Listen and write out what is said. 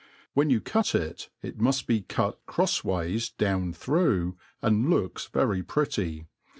^ When you cut it, it muft be cut crofa ways down through*, and looks very pretty..